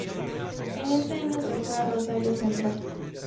En ese año se fue a Rosario Central.